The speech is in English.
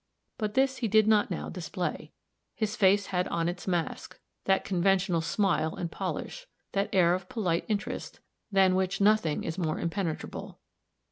But this he did not now display. His face had on its mask that conventional smile and polish, that air of polite interest, than which nothing is more impenetrable.